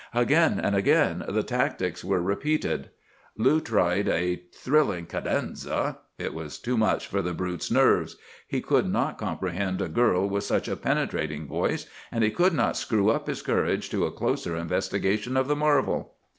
Again and again the tactics were repeated. Lou tried a thrilling cadenza; it was too much for the brute's nerves. He could not comprehend a girl with such a penetrating voice, and he could not screw up his courage to a closer investigation of the marvel.